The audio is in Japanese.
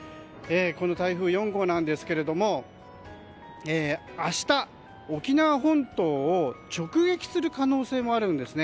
この台風４号なんですが明日、沖縄本島を直撃する可能性もあるんです。